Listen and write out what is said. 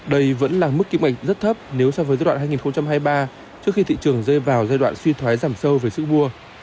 đây vẫn là mức kim ngạch rất thấp nếu so với giai đoạn hai nghìn hai mươi ba trước khi thị trường rơi vào giai đoạn suy thoái giảm sâu về sức mua